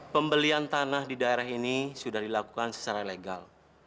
pembelian tanah di daerah ini sudah dilakukan secara legal